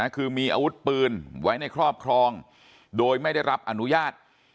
คือมีอาวุธปืนไว้ในครอบครองโดยไม่ได้รับอนุญาต